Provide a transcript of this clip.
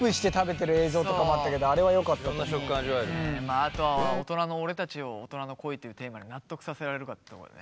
あとは大人の俺たちを大人の恋というテーマで納得させられるかってとこだよね。